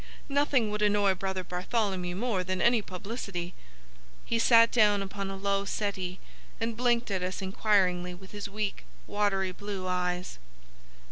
Nothing would annoy Brother Bartholomew more than any publicity." He sat down upon a low settee and blinked at us inquiringly with his weak, watery blue eyes.